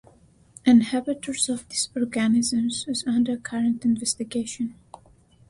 Inhibitors of these organisms is under current investigation.